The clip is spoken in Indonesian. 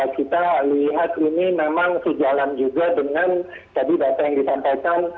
kita lihat ini memang sejalan juga dengan tadi data yang disampaikan